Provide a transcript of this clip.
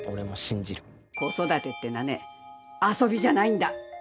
子育てってのはね遊びじゃないんだ。